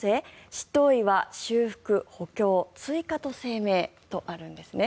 執刀医は修復、補強、追加と声明とあるんですね。